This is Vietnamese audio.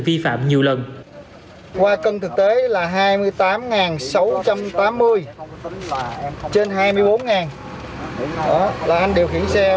vi phạm nhiều lần qua cân thực tế là hai mươi tám sáu trăm tám mươi và trên hai mươi bốn là anh điều khiển xe